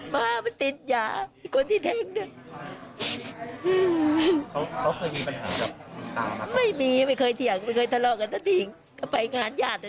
ไม่มีไม่เคยเถียงไม่เคยทะเลาะกันถ้าทิ้งก็ไปงานญาติกัน